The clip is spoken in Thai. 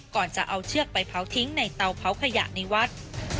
ก่อนจะเอาเชือกไปเผาทิ้งในเตาเผาขยะในวัด